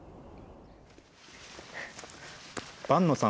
伴野さん